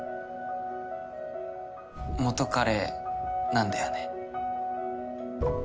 元カレなんだよね？